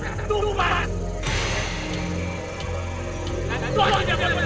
tuhan tidak boleh pergi ke kadilangu